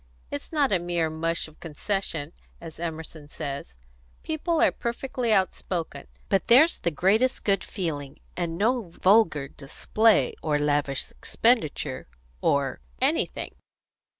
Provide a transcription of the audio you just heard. It's not a mere mush of concession, as Emerson says; people are perfectly outspoken; but there's the greatest good feeling, and no vulgar display, or lavish expenditure, or anything."